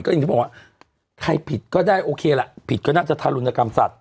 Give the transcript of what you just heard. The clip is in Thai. อย่างที่บอกว่าใครผิดก็ได้โอเคล่ะผิดก็น่าจะทารุณกรรมสัตว